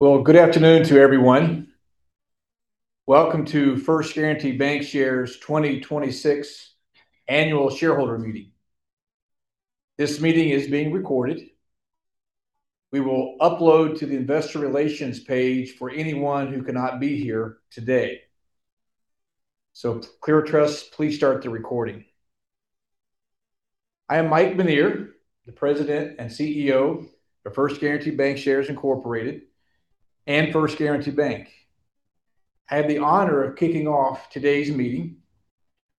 Well, good afternoon to everyone. Welcome to First Guaranty Bancshares 2026 Annual Shareholder Meeting. This meeting is being recorded. We will upload to the investor relations page for anyone who cannot be here today. ClearTrust, please start the recording. I am Mike Mineer, the President and CEO of First Guaranty Bancshares, Inc. and First Guaranty Bank. I have the honor of kicking off today's meeting.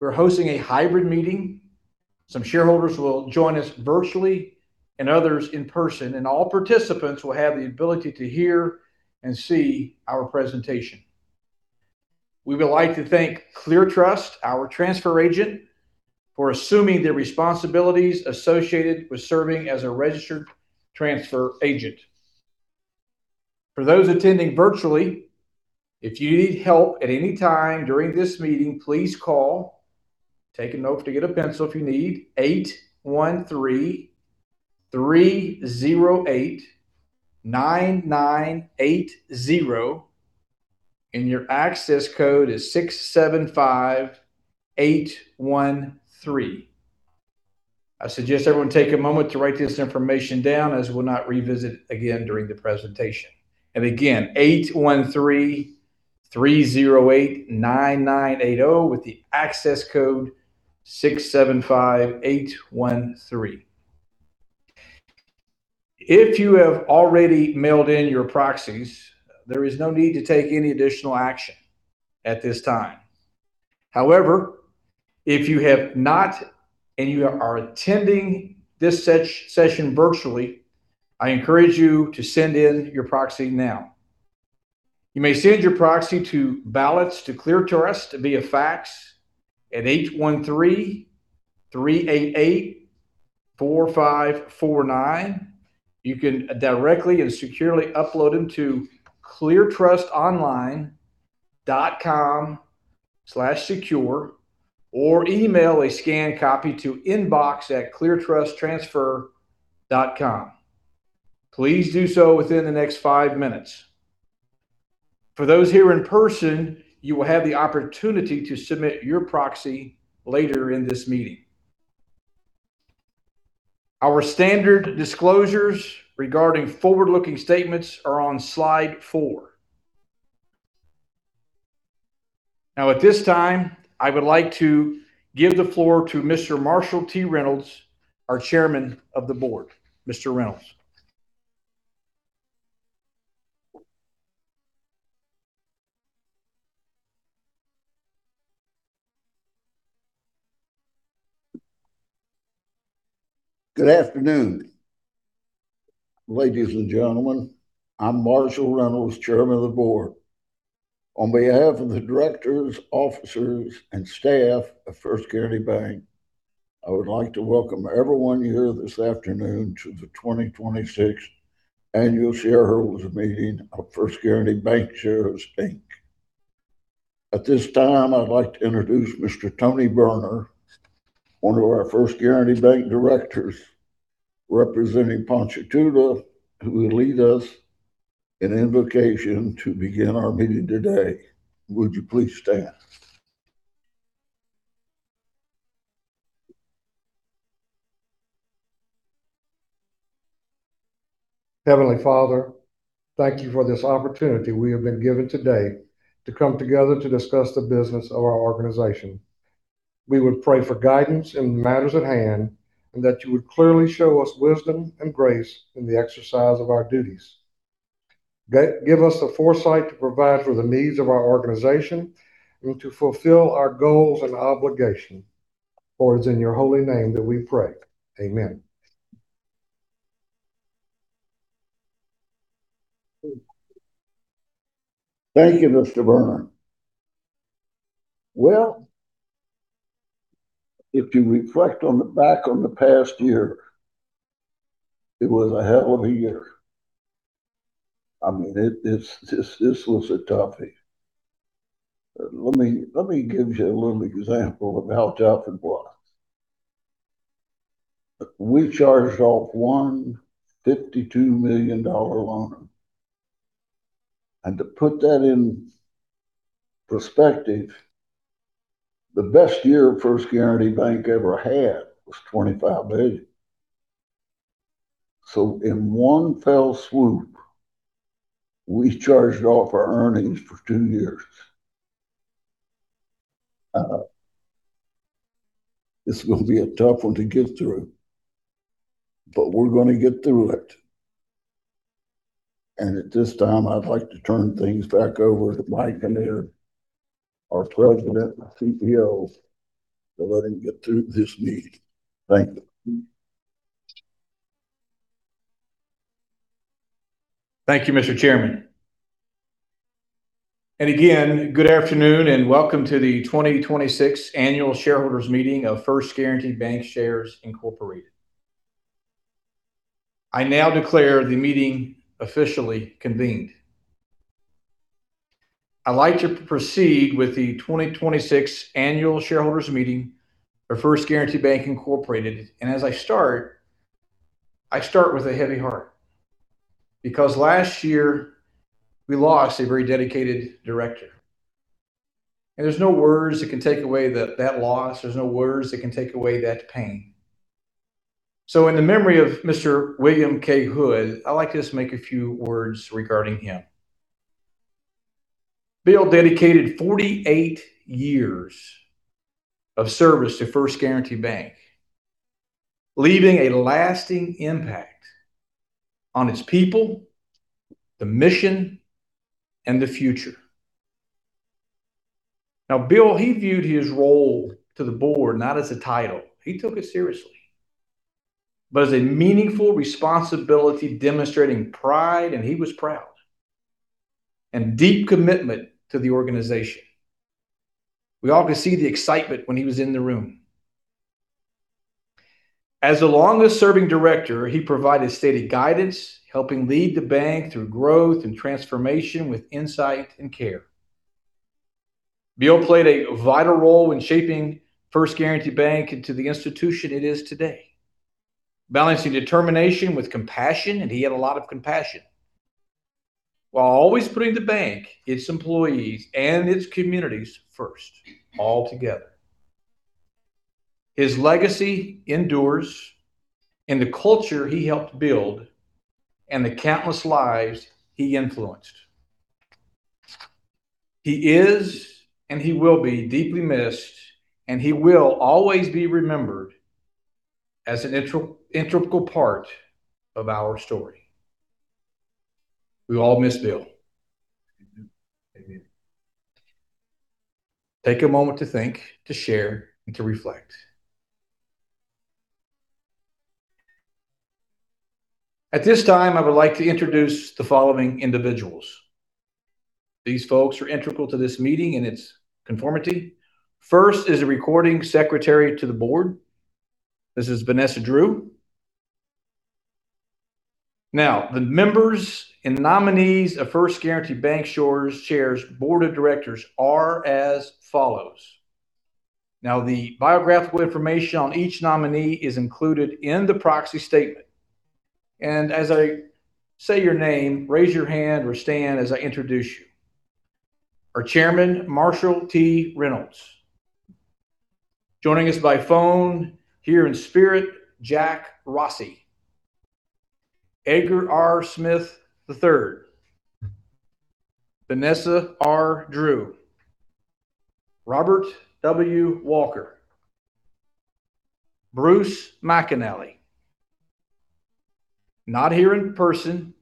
We're hosting a hybrid meeting. Some shareholders will join us virtually and others in person, and all participants will have the ability to hear and see our presentation. We would like to thank ClearTrust, our transfer agent, for assuming the responsibilities associated with serving as a registered transfer agent. For those attending virtually, if you need help at any time during this meeting, please call, take a note, get a pencil if you need, 813-308-9980, and your access code is 675813. I suggest everyone take a moment to write this information down as we'll not revisit again during the presentation. Again, 813-308-9980 with the access code 675813. If you have already mailed in your proxies, there is no need to take any additional action at this time. However, if you have not and you are attending this session virtually, I encourage you to send in your proxy now. You may send your proxy to ballots to ClearTrust via fax at 813-388-4549. You can directly and securely upload them to cleartrustonline.com/secure, or email a scanned copy to inbox@cleartrusttransfer.com. Please do so within the next five minutes. For those here in person, you will have the opportunity to submit your proxy later in this meeting. Our standard disclosures regarding forward-looking statements are on slide four. Now at this time, I would like to give the floor to Mr. Marshall T. Reynolds, our Chairman of the Board. Mr. Reynolds. Good afternoon, ladies and gentlemen. I'm Marshall Reynolds, Chairman of the Board. On behalf of the directors, officers, and staff of First Guaranty Bank, I would like to welcome everyone here this afternoon to the 2026 Annual Shareholders Meeting of First Guaranty Bancshares, Inc. At this time, I'd like to introduce Mr. Tony Berner, one of our First Guaranty Bank directors representing Ponchatoula, who will lead us in invocation to begin our meeting today. Would you please stand? Heavenly Father, thank you for this opportunity we have been given today to come together to discuss the business of our organization. We would pray for guidance in the matters at hand, and that you would clearly show us wisdom and grace in the exercise of our duties. Give us the foresight to provide for the needs of our organization and to fulfill our goals and obligation. For it's in your holy name that we pray. Amen. Thank you, Mr. Berner. Well, if you reflect back on the past year, it was a hell of a year. This was a toughie. Let me give you a little example of how tough it was. We charged off one $52 million loan. To put that in perspective, the best year First Guaranty Bank ever had was $25 million. In one fell swoop, we charged off our earnings for two years. It's going to be a tough one to get through, but we're going to get through it. At this time, I'd like to turn things back over to Michael Mineer, our President and CEO, to let him get through this meeting. Thank you. Thank you, Mr. Chairman. Again, good afternoon and welcome to the 2026 Annual Shareholders Meeting of First Guaranty Bancshares, Inc. I now declare the meeting officially convened. I'd like to proceed with the 2026 Annual Shareholders Meeting of First Guaranty Bancshares, Inc. As I start with a heavy heart, because last year we lost a very dedicated director, and there's no words that can take away that loss. There's no words that can take away that pain. In the memory of Mr. William K. Hood, I'd like to just make a few words regarding him. Bill dedicated 48 years of service to First Guaranty Bank, leaving a lasting impact on its people, the mission, and the future. Bill, he viewed his role to the board, not as a title, he took it seriously, but as a meaningful responsibility, demonstrating pride, and he was proud, and deep commitment to the organization. We all could see the excitement when he was in the room. As the longest serving director, he provided steady guidance, helping lead the bank through growth and transformation with insight and care. Bill played a vital role in shaping First Guaranty Bank into the institution it is today, balancing determination with compassion, and he had a lot of compassion, while always putting the bank, its employees, and its communities first, all together. His legacy endures in the culture he helped build and the countless lives he influenced. He is and he will be deeply missed, and he will always be remembered as an integral part of our story. We all miss Bill. Amen. Amen. Take a moment to think, to share, and to reflect. At this time, I would like to introduce the following individuals. These folks are integral to this meeting and its conformity. First is a recording secretary to the board. This is Vanessa Drew. Now, the members and the nominees of First Guaranty Bancshares' board of directors are as follows. Now, the biographical information on each nominee is included in the proxy statement. As I say your name, raise your hand or stand as I introduce you. Our chairman, Marshall T. Reynolds. Joining us by phone, here in spirit, Jack Rossi. Edgar R. Smith III. Vanessa R. Drew. Robert W. Walker. Bruce McAnally. Not here in person,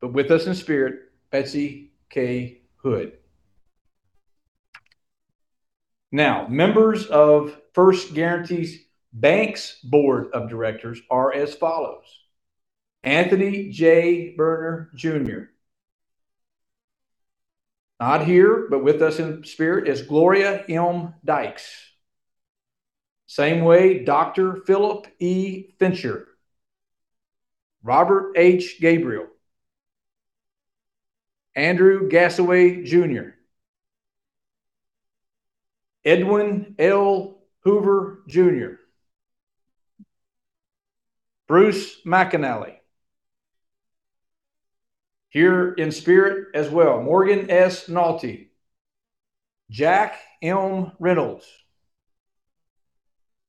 but with us in spirit, Betsy K. Hood. Now, members of First Guaranty Bank's board of directors are as follows. Anthony J. Berner Jr. Not here, but with us in spirit, is Gloria M. Dykes. Same way, Dr. Philip E. Fincher. Robert H. Gabriel. Andrew Gasaway, Jr. Edwin L. Hoover, Jr. Bruce McAnally. Here in spirit as well, Morgan S. Nalty. Jack M. Reynolds.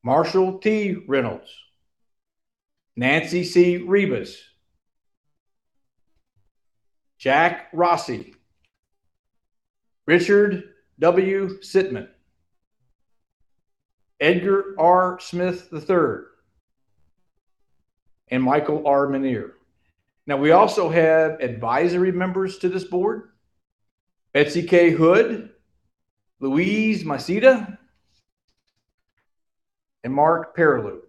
Marshall T. Reynolds. Nancy C. Ribas. Jack Rossi. Richard W. Sitman. Edgar R. Smith III. Michael R. Mineer. We also have advisory members to this board. Betsy K. Hood, Louise Masida, and Mark Perilloux.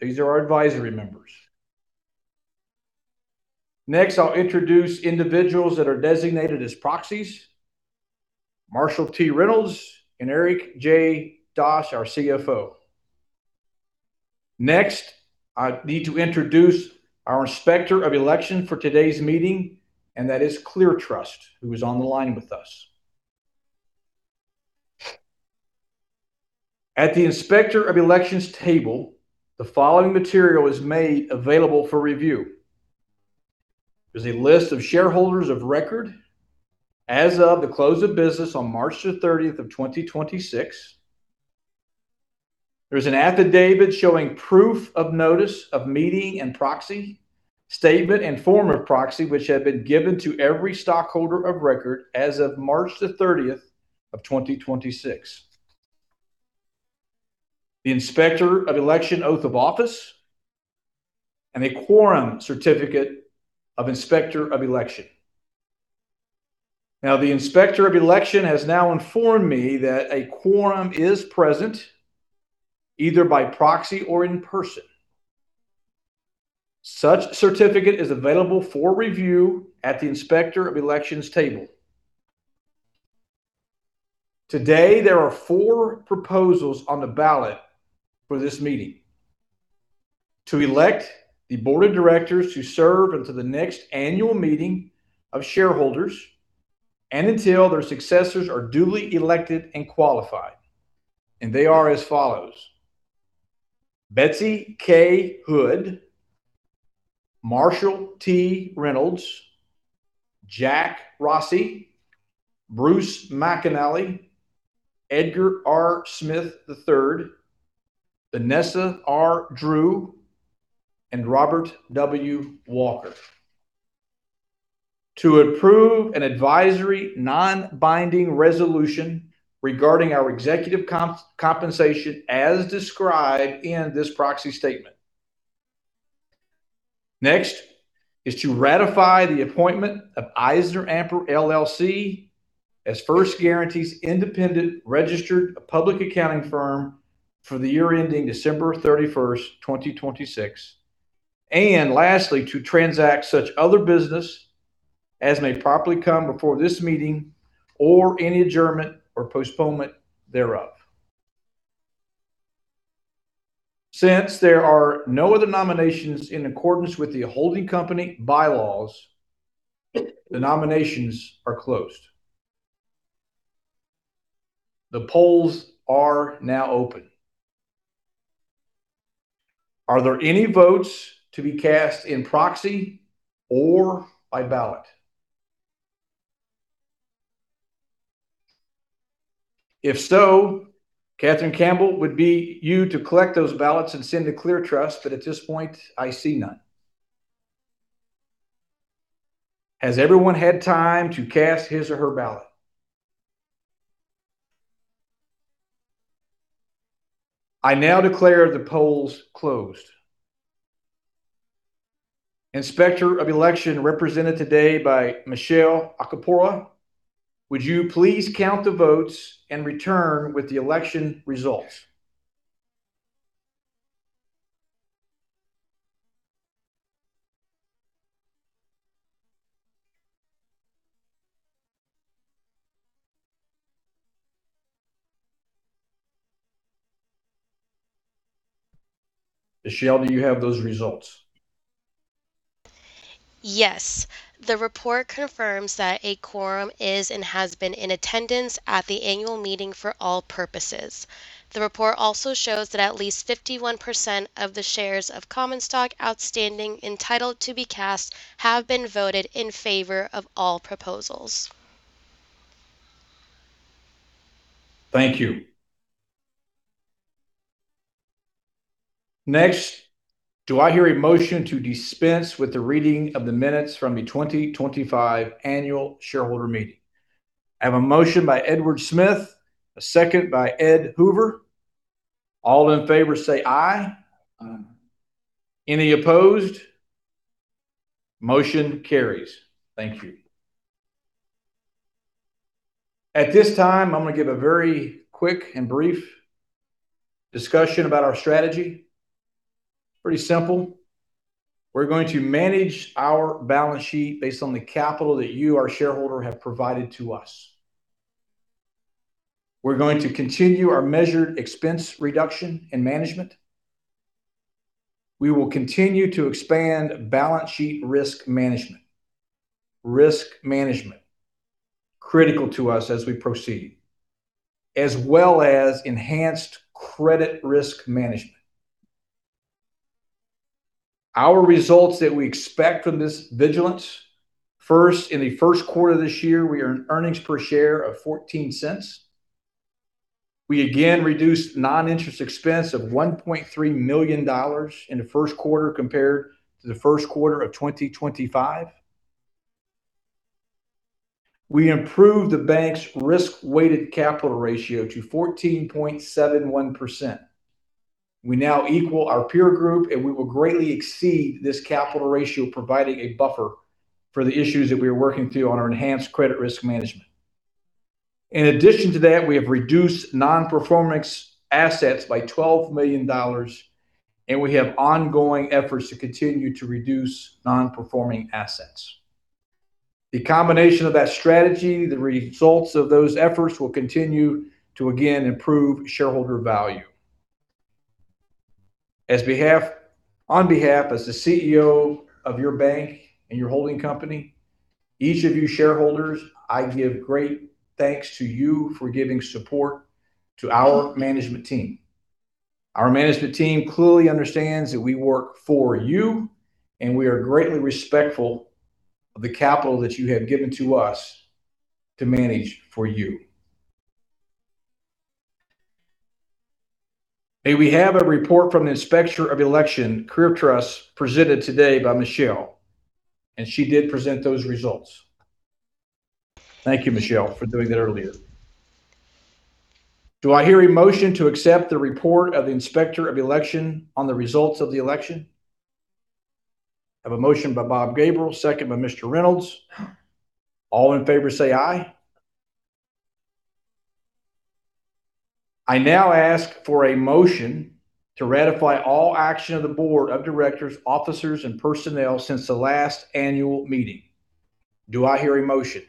These are our advisory members. I'll introduce individuals that are designated as proxies. Marshall T. Reynolds and Eric J. Dosch, our CFO. I need to introduce our Inspector of Election for today's meeting, and that is ClearTrust, who is on the line with us. At the Inspector of Elections table, the following material is made available for review. There's a list of shareholders of record as of the close of business on March the 30th of 2026. There's an affidavit showing proof of notice of meeting and proxy statement and form of proxy, which had been given to every stockholder of record as of March the 30th of 2026. The Inspector of Election oath of office, and a quorum certificate of Inspector of Election. Now, the Inspector of Election has now informed me that a quorum is present either by proxy or in person. Such certificate is available for review at the Inspector of Election table. Today, there are four proposals on the ballot for this meeting. To elect the board of directors to serve until the next annual meeting of shareholders and until their successors are duly elected and qualified. They are as follows: Betsy K. Hood, Marshall T. Reynolds, Jack Rossi, Bruce McAnally, Edgar R. Smith III, Vanessa R. Drew, and Robert W. Walker. To approve an advisory, non-binding resolution regarding our executive compensation as described in this proxy statement. Next is to ratify the appointment of EisnerAmper LLP as First Guaranty's independent registered public accounting firm for the year ending December 31st, 2026. Lastly, to transact such other business as may properly come before this meeting or any adjournment or postponement thereof. Since there are no other nominations in accordance with the holding company bylaws, the nominations are closed. The polls are now open. Are there any votes to be cast in proxy or by ballot? If so, Katherine Campbell, would be you to collect those ballots and send to ClearTrust, at this point, I see none. Has everyone had time to cast his or her ballot? I now declare the polls closed. Inspector of Election represented today by Michelle Acapulco, would you please count the votes and return with the election results? Michelle, do you have those results? Yes. The report confirms that a quorum is and has been in attendance at the annual meeting for all purposes. The report also shows that at least 51% of the shares of common stock outstanding entitled to be cast have been voted in favor of all proposals. Thank you. Next, do I hear a motion to dispense with the reading of the minutes from the 2025 annual shareholder meeting? I have a motion by Edward Smith, a second by Ed Hoover. All in favor say aye. Aye. Any opposed? Motion carries. Thank you. At this time, I'm going to give a very quick and brief discussion about our strategy. Pretty simple. We're going to manage our balance sheet based on the capital that you, our shareholder, have provided to us. We're going to continue our measured expense reduction and management. We will continue to expand balance sheet risk management. Risk management, critical to us as we proceed, as well as enhanced credit risk management. Our results that we expect from this vigilance, first, in the first quarter this year, we earned earnings per share of $0.14. We again reduced non-interest expense of $1.3 million in the first quarter compared to the first quarter of 2025. We improved the bank's risk-weighted capital ratio to 14.71%. We now equal our peer group. We will greatly exceed this capital ratio, providing a buffer for the issues that we are working through on our enhanced credit risk management. In addition to that, we have reduced non-performing assets by $12 million, and we have ongoing efforts to continue to reduce non-performing assets. The combination of that strategy, the results of those efforts will continue to again improve shareholder value. On behalf as the CEO of your bank and your holding company, each of you shareholders, I give great thanks to you for giving support to our management team. Our management team clearly understands that we work for you, and we are greatly respectful of the capital that you have given to us to manage for you. May we have a report from the Inspector of Election, ClearTrust, presented today by Michelle. She did present those results. Thank you, Michelle, for doing that earlier. Do I hear a motion to accept the report of the Inspector of Election on the results of the election? I have a motion by Bob Gabriel, second by Mr. Reynolds. All in favor say aye. I now ask for a motion to ratify all action of the board of directors, officers, and personnel since the last annual meeting. Do I hear a motion?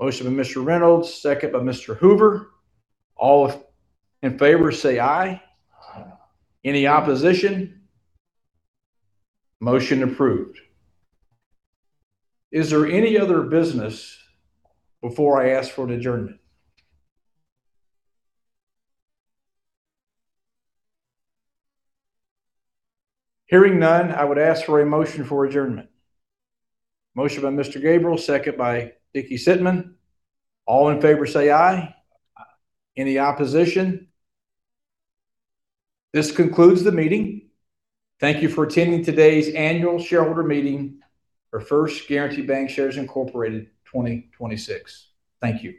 Motion by Mr. Reynolds, second by Mr. Hoover. All in favor say aye. Aye. Any opposition? Motion approved. Is there any other business before I ask for an adjournment? Hearing none, I would ask for a motion for adjournment. Motion by Mr. Gabriel, second by Dickie Sitman. All in favor say aye. Aye. Any opposition? This concludes the meeting. Thank you for attending today's annual shareholder meeting for First Guaranty Bancshares, Incorporated 2026. Thank you.